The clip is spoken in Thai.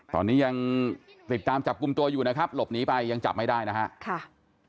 ตอนนี้ยังติดตามจับกลุ่มตัวอยู่นะครับหลบหนีไปยังจับไม่ได้นะครับ